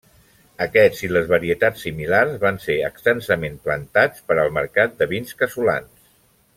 Aquest i les varietats similars van ser extensament plantats per al mercat de vins casolans.